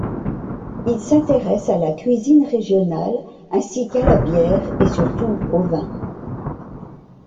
Il s'intéresse à la cuisine régionale ainsi qu'à la bière et, surtout, au vin.